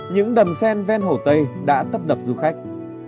những đầm sen ven hồ tây đã tấp nập du khách